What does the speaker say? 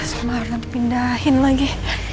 semarang dipindahkan lagi